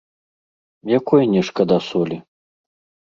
Якой не шкада солі?